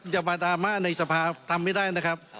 อย่ามาดราม่าในสภาทำไม่ได้นะครับ